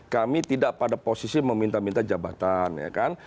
kami tidak pada posisi meminta minta jabatan